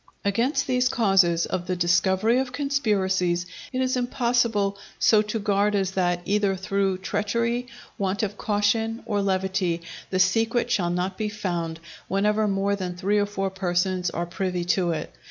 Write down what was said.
Against these causes of the discovery of conspiracies it is impossible so to guard as that either through treachery, want of caution, or levity, the secret shall not be found out, whenever more than three or four persons are privy to it.